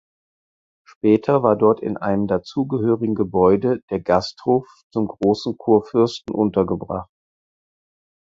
Später war dort in einem dazugehörigen Gebäude der Gasthof „Zum großen Kurfürsten“ untergebracht.